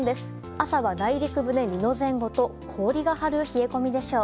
朝は内陸部で２度前後と氷が張る冷え込みでしょう。